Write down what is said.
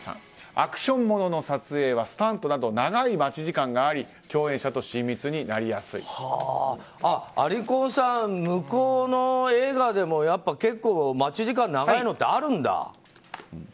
アクションものの撮影はスタンドなど長い待ち時間があり共演者と親密にありこんさん向こうの映画でも結構待ち時間、長いのってあるんだ。